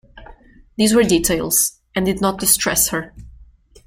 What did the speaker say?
These were details, and did not distress her.